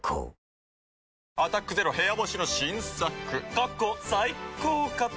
過去最高かと。